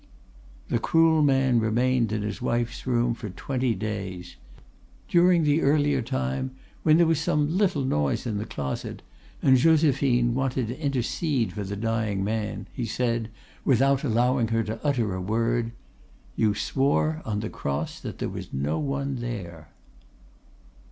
"The cruel man remained in his wife's room for twenty days. During the earlier time, when there was some little noise in the closet, and Josephine wanted to intercede for the dying man, he said, without allowing her to utter a word, 'You swore on the Cross that there was no one there.